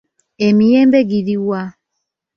Emiyembe giri wa?